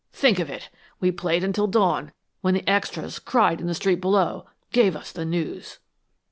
Think of it! We played until dawn, when the extras, cried in the street below, gave us the news!"